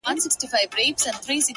چاته يې لمنه كي څـه رانــه وړل!